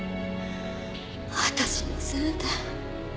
私のせいで。